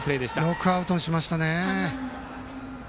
よくアウトにしましたね。